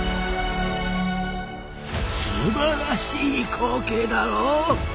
すばらしい光景だろう？